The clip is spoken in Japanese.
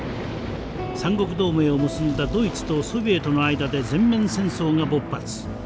三国同盟を結んだドイツとソビエトの間で全面戦争が勃発。